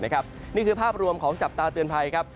นี่คือภาพรวมของจับตาเตือนภัยครับ